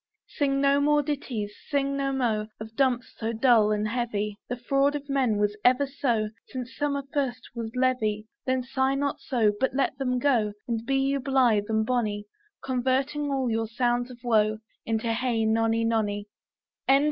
Sing no more ditties, sing no mo Of dumps so dull and heavy; The fraud of men was ever so, Since summer first was leavy. Then sigh not so, But let them go, And be you blith and bonny, Converting all your sounds of woe Into Hey nonny, nonny.